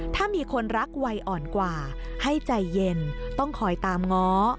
ถ้ามีคนรักวัยอ่อนกว่าให้ใจเย็นต้องคอยตามง้อ